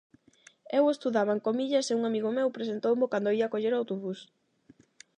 Eu estudaba en Comillas e un amigo meu presentoumo cando ía coller o autobús.